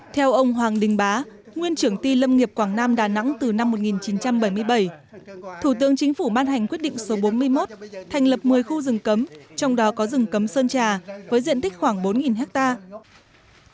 theo ông hoàng đình bá nguyên trưởng ti lâm nghiệp quảng nam đà nẵng từ năm một nghìn chín trăm bảy mươi bảy thủ tướng chính phủ ban hành quyết định số bốn mươi một thành lập một mươi khu rừng cấm trong đó có rừng cấm sơn trà với diện tích khoảng bốn hectare